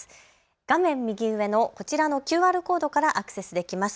画面右上のこちらのＱＲコードからアクセスできます。